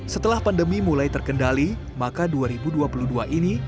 setelah pandemi mulai terkendali maka dua ribu dua puluh dua ini